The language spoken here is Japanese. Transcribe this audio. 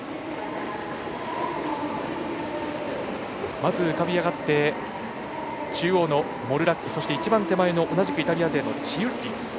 まず、中央のモルラッキそして一番手前の同じくイタリア勢のチウッリ。